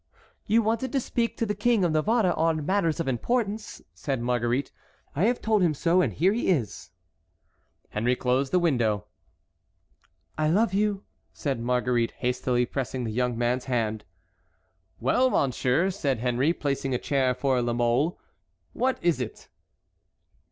"You wanted to speak to the King of Navarre on matters of importance," said Marguerite. "I have told him so and here he is." Henry closed the window. "I love you," said Marguerite, hastily pressing the young man's hand. "Well, monsieur," said Henry, placing a chair for La Mole, "what is it?"